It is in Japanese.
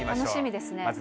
楽しみですね。